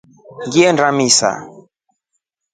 Ngilinda misa.